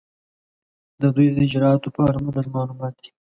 د دوی د اجرااتو په اړه لږ معلومات دي.